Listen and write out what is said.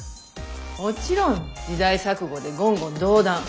もちろん時代錯誤で言語道断。